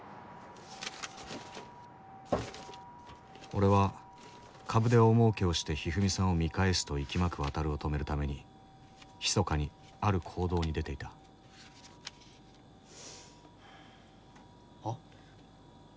俺は株で大もうけをしてひふみさんを見返すといきまくワタルを止めるためにひそかにある行動に出ていたはっ？